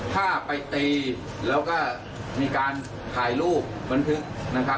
ถ้าไปตีแล้วก็มีการถ่ายรูปบนทึก